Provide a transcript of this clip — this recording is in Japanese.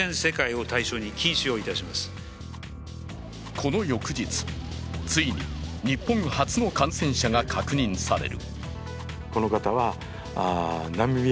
この翌日、ついに日本初の感染者が確認される。